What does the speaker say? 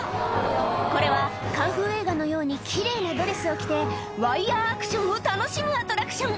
これはカンフー映画のように奇麗なドレスを着てワイヤアクションを楽しむアトラクション